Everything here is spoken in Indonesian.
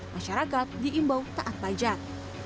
masyarakat diimbau taat pajak